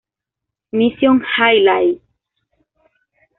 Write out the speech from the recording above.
Mission Highlights.